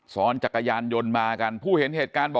ซ้อนจักรยานยนต์มากัน